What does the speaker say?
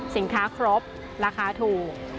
สินค้าครบราคาถูก